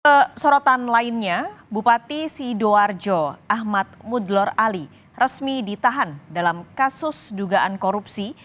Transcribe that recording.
ke sorotan lainnya bupati sidoarjo ahmad mudlor ali resmi ditahan dalam kasus dugaan korupsi